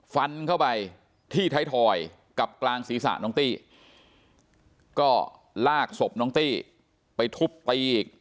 ฟันเข้าไปที่ไทยทอยกับกลางศีรษะน้องตี้ก็ลากศพน้องตี้ไปทุบตีอีก